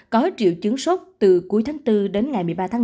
có triệu chứng sốt từ cuối tháng bốn